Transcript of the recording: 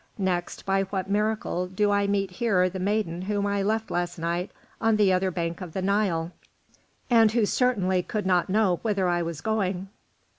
Next, by what miracle do I meet here the maiden whom I left last night on the other bank of the Nile, and who certainly could not know whither I was going?"